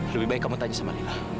lebih baik kamu tanya sama lila